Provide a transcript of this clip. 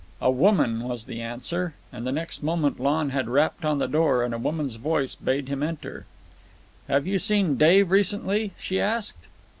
"A woman," was the answer, and the next moment Lon had rapped on the door, and a woman's voice bade him enter. "Have you seen Dave recently?" she asked.